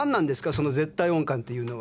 その「絶対音感」っていうのは？